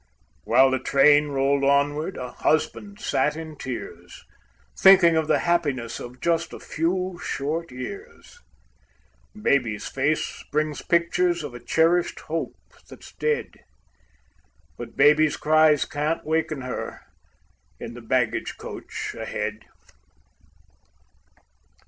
While the train rolled onward, a husband sat in tears, Thinking of the happiness of just a few short years. Baby's face brings pictures of a cherished hope that's dead, But baby's cries can't waken her in the baggage coach ahead.